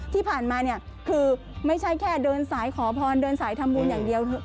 ที่ผ่านมาเนี่ยคือไม่ใช่แค่เดินสายขอพรเดินสายทำบุญอย่างเดียว